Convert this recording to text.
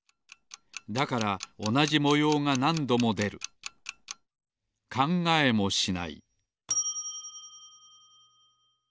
だからおなじもようがなんどもでる１０ぽんのえんぴつ。